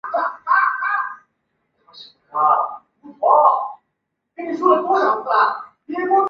甚至逐渐再次长出彗尾。